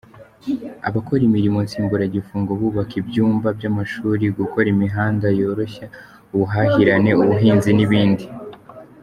Abakora imirimo nsimburagifungo bubaka ibyumba by’amashuri, gukora imihanda yoroshya ubuhahirane, ubuhinzi n’ibindi.